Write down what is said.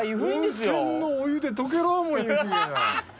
温泉のお湯で解けろうもん雪が。